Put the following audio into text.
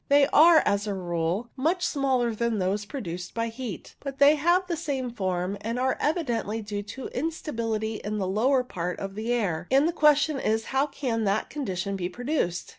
They are, as a rule, much smaller than those pro duced by heat, but they have the same form, and are evidently due to instability in the lower part of the air, and the question is how can that con dition be produced.